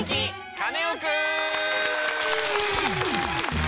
カネオくん」！